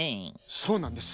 そうなんです。